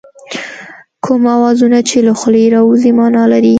کوم اوازونه چې له خولې راوځي مانا لري